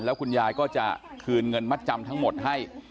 แล้วคุณยายก็จะคืนเงินมัดจำทั้งหมดให้